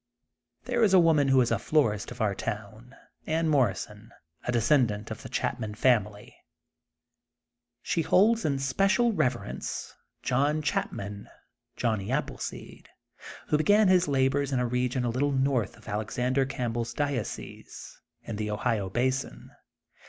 There is a woman who is florist of our town, Anne Morrison a descendant of the Chapman family. She holds in special reverence, John Chapman, (Johnny Appleseed,) who began his labors in a region a little north of Alexan der Campbell 's diocese, in the Ohio basin.